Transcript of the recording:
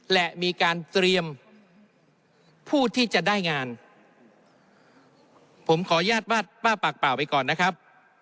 และมีการเตรียมผู้ที่จะได้งานผมขออนุญาตว่าป้าปากเปล่าไปก่อนนะครับ